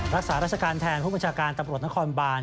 รักษาราชการแทนผู้บัญชาการตำรวจนครบาน